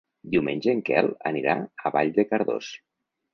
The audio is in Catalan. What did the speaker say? Diumenge en Quel anirà a Vall de Cardós.